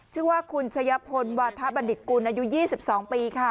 ชื่อว่าคุณชัยพลวัฒนบรรดิกุลอายุ๒๒ปีค่ะ